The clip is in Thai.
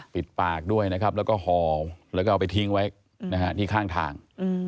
ปิดปากด้วยนะครับแล้วก็ห่อแล้วก็เอาไปทิ้งไว้ที่ข้างทาง